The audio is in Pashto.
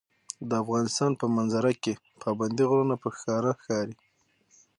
د افغانستان په منظره کې پابندي غرونه په ښکاره ښکاري.